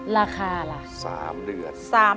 ราคาล่ะ๓เดือน